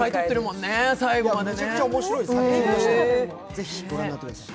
めちゃくちゃ面白いです、作品としても、ご覧になってください。